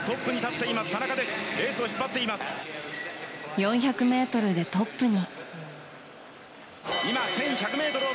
４００ｍでトップに。